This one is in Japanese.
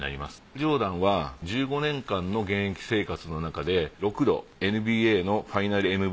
ジョーダンは１５年間の現役生活の中で６度ＮＢＡのファイナルＭＶＰ。